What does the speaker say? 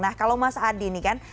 nah kalau mas adi ini kan